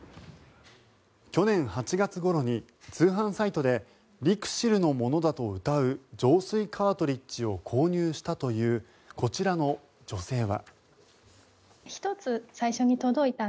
去年８月ごろに通販サイトでＬＩＸＩＬのものだとうたう浄水カートリッジを購入したというこちらの女性は。